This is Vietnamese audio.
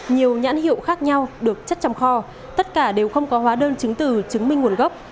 nhiều nhãn hiệu khác nhau được chất trong kho tất cả đều không có hóa đơn chứng từ chứng minh nguồn gốc